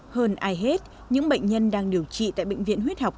hơn ai hết những bệnh nhân đang điều trị tại bệnh viện huyết học